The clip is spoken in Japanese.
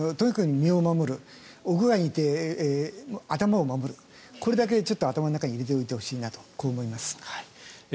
屋内に行って、頭を守るこれだけちょっと、頭の中に入れておいてほしいなと思います。